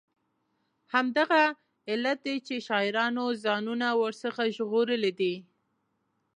همدغه علت دی چې شاعرانو ځانونه ور څخه ژغورلي دي.